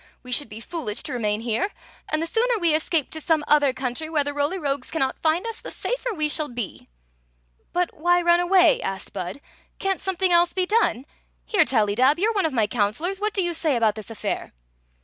We should be foolish to remain here ; and the sooner we escape to some other country where the Roly Rogues cannot find us» the safer we shall be. But why run away ?" asked Bud. " Can't some thing else be done? Here, Tally dab, you 're one of my counselors. What do you say about this af fair?"